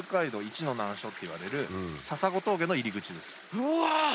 うわ！